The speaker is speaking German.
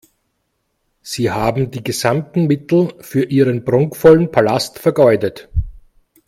Sie haben die gesamten Mittel für Ihren prunkvollen Palast vergeudet.